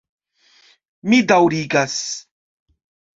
Mi daŭrigas.